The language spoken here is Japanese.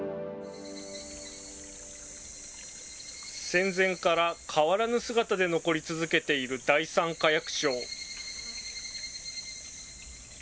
戦前から変わらぬ姿で残り続けている第三火薬廠。